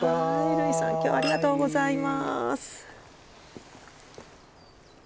類さん今日はありがとうございます。